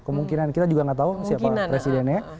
kemungkinan kita juga nggak tahu siapa presidennya